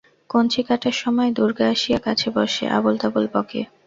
কঞ্চি কাটার সময় দুর্গা আসিয়া কাছে বসে, আবোল-তাবোল বকে।